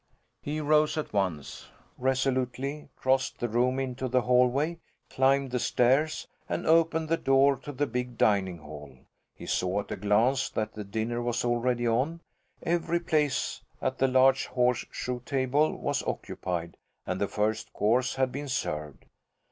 He rose at once, resolutely crossed the room into the hallway, climbed the stairs, and opened the door to the big dining hall. He saw at a glance that the dinner was already on; every place at the large horseshoe table was occupied and the first course had been served.